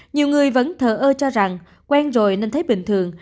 nhiều người vẫn thờ ơ cho rằng quen rồi nên thấy bình thường